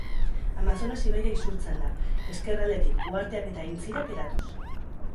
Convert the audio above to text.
Amazonas ibaira isurtzen da, ezkerraldetik, uharteak eta aintzirak eratuz.